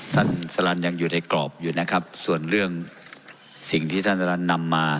สลันยังอยู่ในกรอบอยู่นะครับส่วนเรื่องสิ่งที่ท่านสลันนำมา